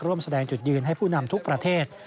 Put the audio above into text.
ร่วมแสดงจุดยืนให้ผู้นำทุกประเทศ